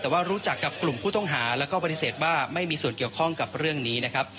แต่ว่ารู้จักกับกลุ่มผู้ต้องหาแล้วก็ปฏิเสธว่าไม่มีส่วนเกี่ยวข้องกับเรื่องนี้นะครับ